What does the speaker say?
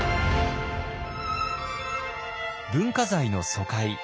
文化財の疎開。